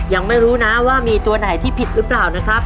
ยังไม่รู้นะว่ามีตัวไหนที่ผิดหรือเปล่านะครับ